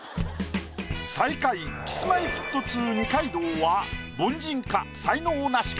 最下位Ｋｉｓ−Ｍｙ−Ｆｔ２二階堂は凡人か？